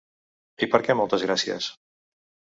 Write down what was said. I per què moltes gràcies?